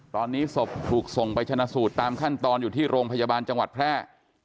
ตอนนี้ศพถูกส่งไปชนะสูตรตามขั้นตอนอยู่ที่โรงพยาบาลจังหวัดแพร่